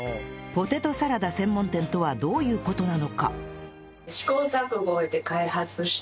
ポテトサラダ専門店とはどういう事なのか？